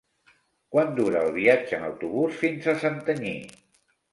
Quant dura el viatge en autobús fins a Santanyí?